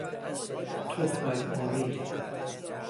تﮩمت آمیز